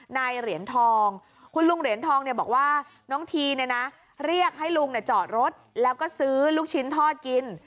นายเหรียญทองคุณลุงเหรียญทองบอกว่าน้องทีเนี่ยนะเรียกให้ลุงจอดรถแล้วก็ซื้อลูกชิ้นทอดกิน